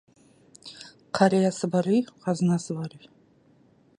Қариясы бар үй — қазынасы бар үй.